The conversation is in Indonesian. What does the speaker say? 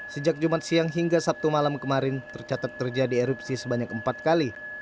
sejak jumat siang hingga sabtu malam kemarin tercatat terjadi erupsi sebanyak empat kali